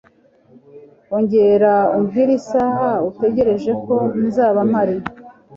Ongera umbwire isaha utegereje ko nzaba mpari.